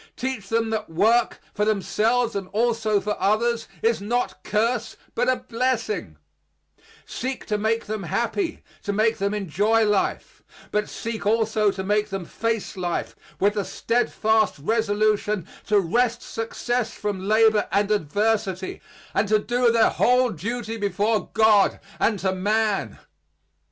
Teach them that work, for themselves and also for others, is not curse but a blessing; seek to make them happy, to make them enjoy life, but seek also to make them face life with the steadfast resolution to wrest success from labor and adversity, and to do their whole duty before God and to man.